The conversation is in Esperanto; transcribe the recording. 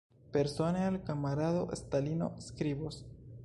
Persone al kamarado Stalino skribos.